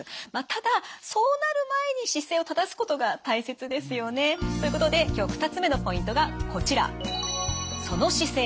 ただそうなる前に姿勢を正すことが大切ですよね。ということで今日２つ目のポイントがこちら。